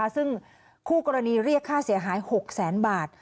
ซึ่งคู่กรณีเรียกค่าเสียหาย๖แสนบาท